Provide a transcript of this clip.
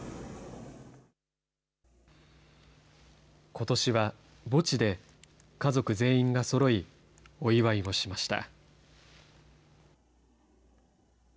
ことしは墓地で家族全員がそろい、お祝いをしました。